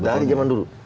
dari zaman dulu